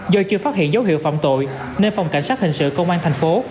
do chưa phát hiện dấu hiệu phạm tội nên phòng cảnh sát hình sự công an thành phố